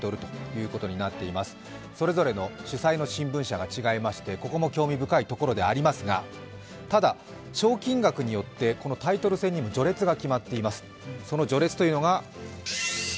それぞれの主催の新聞社が違いまして、ここも興味深いところではありますが、ただ、賞金額によってタイトルにも序列があります。